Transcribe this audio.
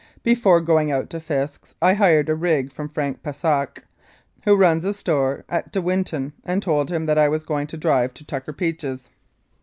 Before going out to Fisk's I hired a rig from Frank Pashak, who runs a store at De Winton, and told him that I was going to drive to Tucker Peach's.